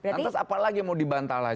lantas apa lagi yang mau dibantah lagi